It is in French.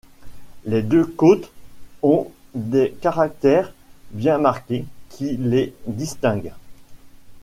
Les deux côtes ont des caractères bien marqués qui les distinguent.